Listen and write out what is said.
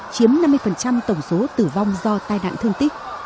chiếm năm mươi tổng số tử vong do tai nạn thương tích